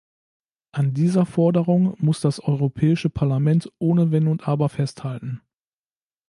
An dieser Forderung muss das Europäische Parlament ohne Wenn und Aber festhalten.